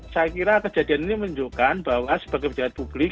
saya kira kejadian ini menunjukkan bahwa sebagai pejabat publik